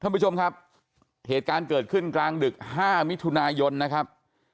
ท่านผู้ชมครับเหตุการณ์เกิดขึ้นกลางดึก๕มิถุนายนนะครับ